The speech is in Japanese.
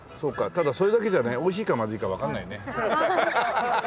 ただそれだけじゃね美味しいかまずいかわかんないね。